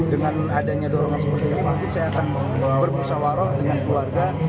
dengan adanya dorongan seperti ini mungkin saya akan bermusawarah dengan keluarga